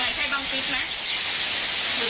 อ่าใช่บางฟิศมั้ยหรือเป็นคนอื่น